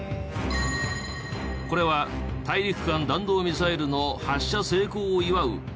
これは大陸間弾道ミサイルの発射成功を祝う記念切手。